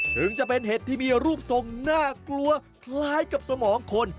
ถึงจะเป็นเห็ดที่มีรูปทรงน่ากลัวคล้ายกับสมองคน